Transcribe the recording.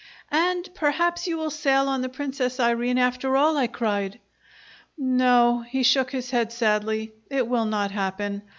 "And perhaps you will sail on the 'Princess Irene,' after all," I cried. "No," he shook his head sadly, "it will not happen.